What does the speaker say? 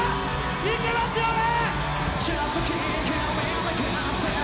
いけますよね？